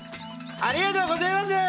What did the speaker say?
ありがとうごぜます！